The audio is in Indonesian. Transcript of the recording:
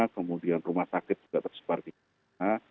kemudian rumah sakit juga tersebar di mana mana